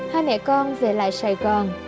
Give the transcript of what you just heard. hai mẹ con về lại sài gòn